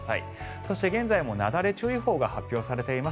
そして現在もなだれ注意報が発表されています。